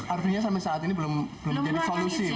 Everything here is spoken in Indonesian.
artinya sampai saat ini belum jadi solusi